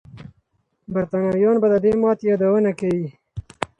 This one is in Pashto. برتانويان به د دې ماتې یادونه کوي.